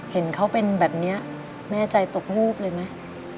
เห็นเขาเป็นแบบนี้แม่ใจตกวูบเลยไหม